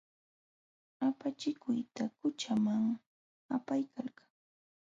Apachikuyta qućhaman apaykalkan.